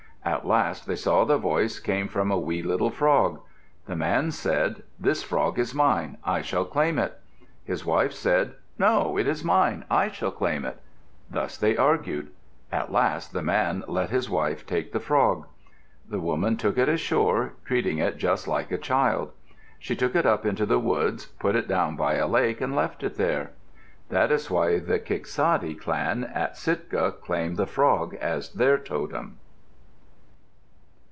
At last they saw the voice came from a wee little frog. The man said: "This frog is mine. I shall claim it." His wife said, "No, it is mine. I shall claim it." Thus they argued. At last the man let his wife take the frog. The woman took it ashore, treating it just like a child. She took it up into the woods, put it down by a lake, and left it there. That is why the Kiksadi clan at Sitka claim the frog as their totem.